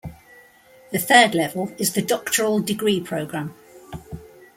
The third level is the doctoral degree program.